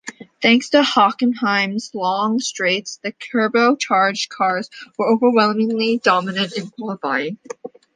Thanks to Hockenheim's long straights, the turbo-charged cars were overwhelmingly dominant in qualifying.